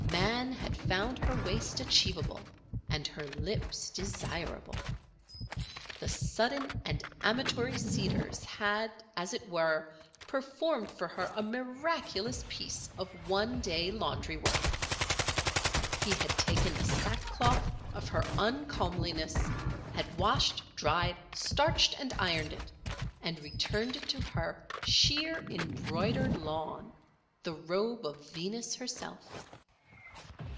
Man had found her waist achievable and her lips desirable. The sudden and amatory Seeders had, as it were, performed for her a miraculous piece of one day laundry work. He had taken the sackcloth of her uncomeliness, had washed, dried, starched and ironed it, and returned it to her sheer embroidered lawn—the robe of Venus herself.